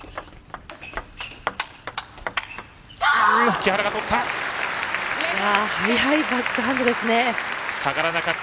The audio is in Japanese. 木原が取った！